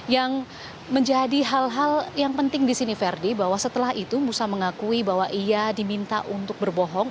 yang menjadi hal hal yang penting di sini verdi bahwa setelah itu musa mengakui bahwa ia diminta untuk berbohong